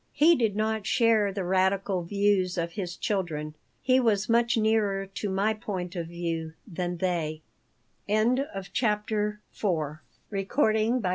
He did not share the radical views of his children. He was much nearer to my point of view than they CHAPTER V IT was December.